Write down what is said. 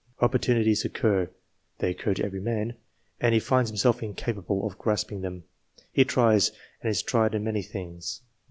Opportunities occur they occur to every man and he finds himself incapable of grasping them. He tries, and is tried in many things.